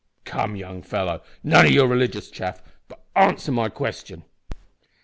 "Come, young fellow, none o' your religious chaff, but answer my question."